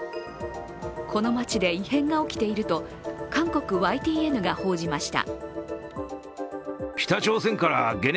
この街で異変が起きていると韓国ＹＴＮが報じました。